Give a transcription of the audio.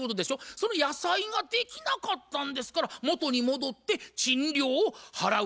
その野菜ができなかったんですから元に戻って賃料を払う。